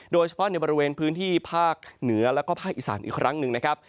โดยเฉพาะในบริเวณพื้นที่ภาคเหนือแล้วก็ภาคอีสานอีกครั้งหนึ่งนะครับ